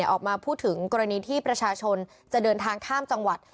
ออกมาพูดถึงกรณีที่ประชาชนจะเดินทางข้ามจังหวัด